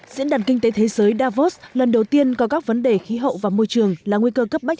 diễn đàn kinh tế thế giới davos lần đầu tiên có các vấn đề khí hậu và môi trường là nguy cơ cấp bách